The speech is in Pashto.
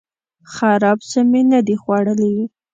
خراب څه می نه دي خوړلي